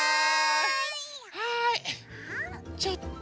はいちょっと。